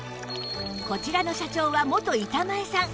こちらの社長は元板前さん